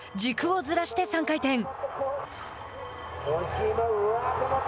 軸をずらして３回転。